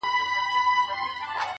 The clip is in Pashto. لږ دي د حُسن له غروره سر ور ټیټ که ته